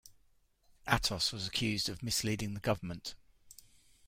Atos was accused of misleading the government.